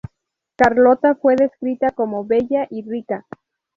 Carlota fue descrita como "bella y rica".